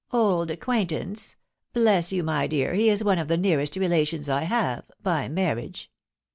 " Old acquaintance ? Bless you, my dear, he is one of the nearest relations I have — by marriage."